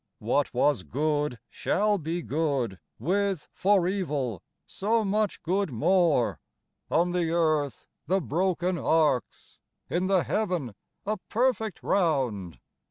13 What was good shall be good, with, for evil, so much good more, On the earth the broken arcs; in the heaven a perfect round.